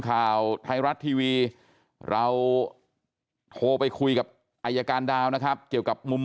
ข่าวไทยรัฐทีวีเราโทรไปคุยกับอายการดาวนะครับเกี่ยวกับมุม